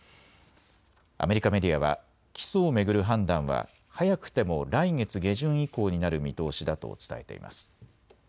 アメリカメディアは起訴を巡る判断は早くても来月下旬以降になる見通しだと伝えています。